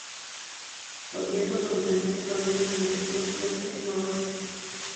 Los vientos dominantes provienen en dirección sureste-noroeste.